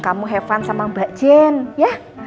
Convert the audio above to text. kamu have fun sama mbak jen ya